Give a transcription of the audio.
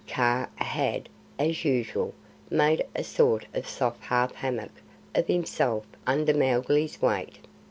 Kaa had, as usual, made a sort of soft half hammock of himself under Mowgli's weight.